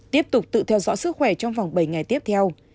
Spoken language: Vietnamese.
tiếp tục tự theo dõi sức khỏe trong vòng bảy ngày tiếp theo